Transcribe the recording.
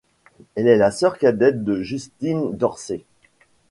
Elle est la sœur cadette de Justine Dorsey.